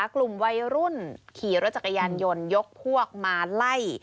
กลุ่มวัยรุ่นขี่รถจักรยานยนต์ยกพวกมาไล่